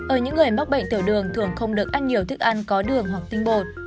ở những người mắc bệnh tiểu đường thường không được ăn nhiều thức ăn có đường hoặc tinh bột